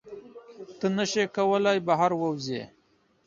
ته نشې کولی بهر ووځې.